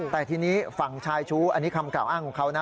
แต่ทีนี้ฝั่งชายชู้อันนี้คำกล่าวอ้างของเขานะ